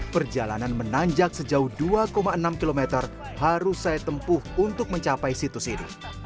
perjalanan menanjak sejauh dua enam km harus saya tempuh untuk mencapai situs ini